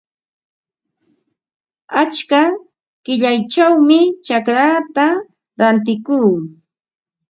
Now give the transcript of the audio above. Achka qillayćhawmi chacraata rantikuu.